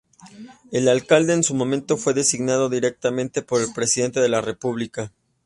El alcalde en su momento fue designado directamente por el Presidente de la República.